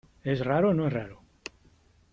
¿ es raro o no es raro ?